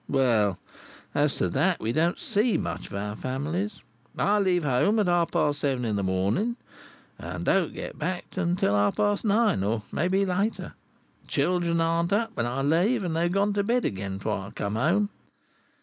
Well, as to that, we don't see much of our families. I leave home at half past seven in the morning, and don't get back again until half past nine, or maybe later. The children are not up when I leave, and they've gone to bed again before I come home.